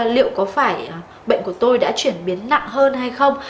liệu có phải bệnh của tôi đã chuyển biến nặng hơn hay không